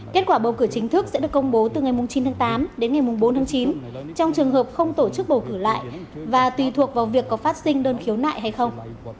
kết quả bầu cử chính thức sẽ được công bố từ ngày chín tháng tám đến ngày bốn tháng chín trong trường hợp không tổ chức bầu cử lại và tùy thuộc vào việc có phát sinh đơn khiếu nại hay không